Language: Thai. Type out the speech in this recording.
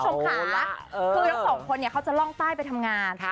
คือทั้งสองคนเนี่ยเขาจะล่องใต้ไปทำงาน